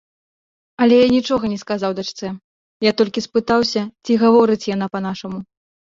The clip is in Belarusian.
Але я нічога не сказаў дачцэ, я толькі спытаўся, ці гаворыць яна па-нашаму.